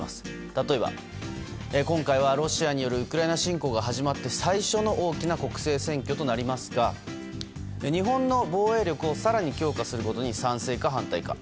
例えば、今回はロシアによるウクライナ侵攻が始まって最初の大きな国政選挙となりますが日本の防衛力を更に強化することに賛成か反対か。